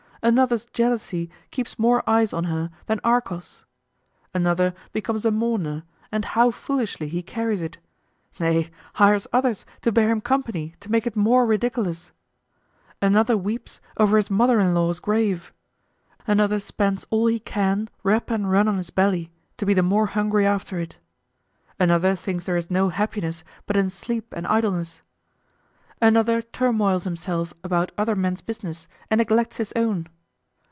Another's jealousy keeps more eyes on her than Argos. Another becomes a mourner, and how foolishly he carries it! nay, hires others to bear him company to make it more ridiculous. Another weeps over his mother in law's grave. Another spends all he can rap and run on his belly, to be the more hungry after it. Another thinks there is no happiness but in sleep and idleness. Another turmoils himself about other men's business and neglects his own.